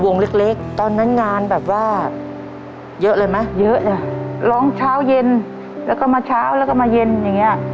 เล็กเล็กตอนนั้นงานแบบว่าเยอะเลยไหมเยอะจ้ะร้องเช้าเย็นแล้วก็มาเช้าแล้วก็มาเย็นอย่างเงี้ย